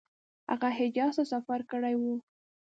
هغه حجاز ته سفر کړی وو.